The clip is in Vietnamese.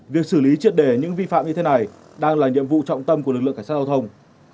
việc xử lý triệt đề những vi phạm như thế này đang là nhiệm vụ trọng tâm của lực lượng cảnh sát giao thông